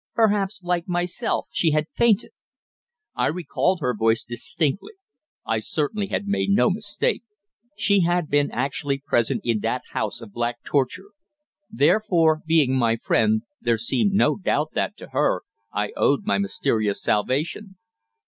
Perhaps, like myself, she had fainted. I recalled her voice distinctly. I certainly had made no mistake. She had been actually present in that house of black torture. Therefore, being my friend, there seemed no doubt that, to her, I owed my mysterious salvation.